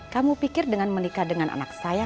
kamu pikir dengan menikah dengan anak saya